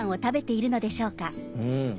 うん！